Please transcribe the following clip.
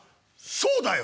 「そうだよ！」。